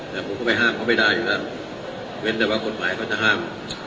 แต่ผมก็ไปห้ามเขาไม่ได้อยู่แล้วเว้นแต่ว่ากฎหมายเขาจะห้าม